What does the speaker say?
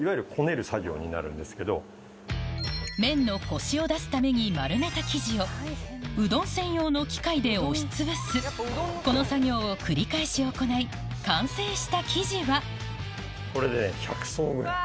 麺のコシを出すために丸めた生地をうどん専用の機械で押しつぶすこの作業を繰り返し行い完成した生地はえっ！